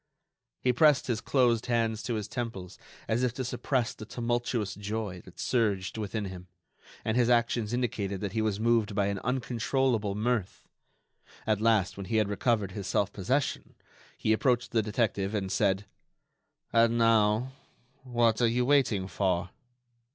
He pressed his closed hands to his temples as if to suppress the tumultuous joy that surged within him, and his actions indicated that he was moved by an uncontrollable mirth. At last, when he had recovered his self possession, he approached the detective and said: "And now what are you waiting for?"